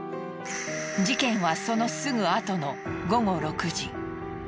事件はそのすぐあとの午後６時。